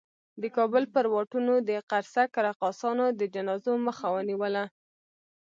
د کابل پر واټونو د قرصک رقاصانو د جنازو مخه ونیوله.